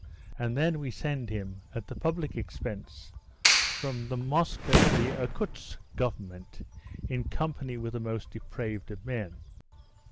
And then we send him, at the public expense, from the Moscow to the Irkoutsk Government, in company with the most depraved of men.